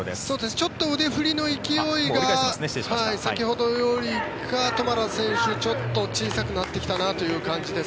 ちょっと腕振りの勢いが先ほどよりかトマラ選手、ちょっと小さくなってきたなという感じです。